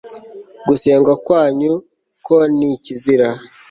gusenga kwanyu ko ni ikizira